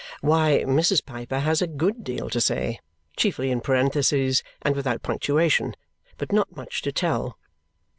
Why, Mrs. Piper has a good deal to say, chiefly in parentheses and without punctuation, but not much to tell.